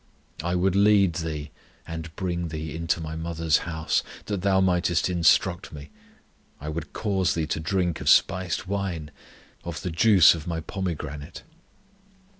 I would lead Thee, and bring Thee into my mother's house, That Thou mightest instruct me; I would cause Thee to drink of spiced wine, Of the juice of my pomegranate.